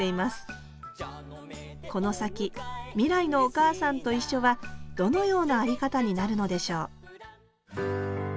この先未来の「おかあさんといっしょ」はどのような在り方になるのでしょう